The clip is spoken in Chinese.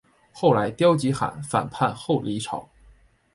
后来刁吉罕反叛后黎朝。